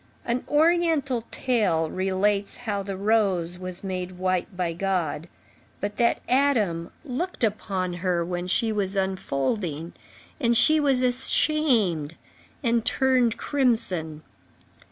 An oriental tale relates how the rose was made white by God, but that Adam looked upon her when she was unfolding, and she was ashamed and turned crimson.